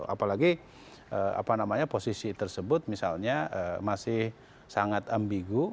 apalagi posisi tersebut misalnya masih sangat ambigu